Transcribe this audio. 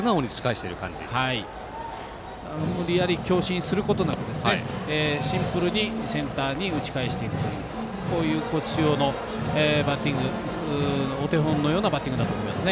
無理やり強振することなくシンプルにセンターに打ち返していくというこういう高知中央のバッティングお手本のようなバッティングだと思います。